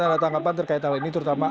ada tanggapan terkait hal ini terutama